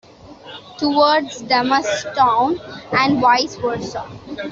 Towards Damastown and vice versa.